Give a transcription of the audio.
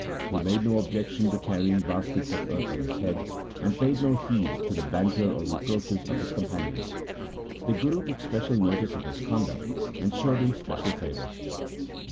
He made no objection to carrying baskets of earth on his head, and paid no heed to the banter or reproaches of his companions. The Guru took special notice of his conduct, and showed him special favour.